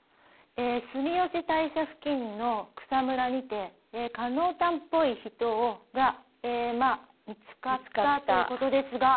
住吉大社付近の草むらにて加納ちゃんっぽい人が見付かったという事ですが。